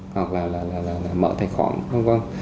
hoặc là mở tài khoản